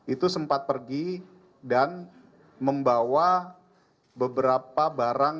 itu sempat pergi dan membawa beberapa barang